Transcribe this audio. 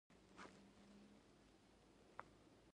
خوب د وجود د قوت راز دی